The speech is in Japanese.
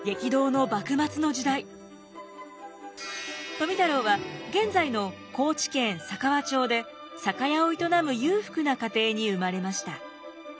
富太郎は現在の高知県佐川町で酒屋を営む裕福な家庭に生まれました。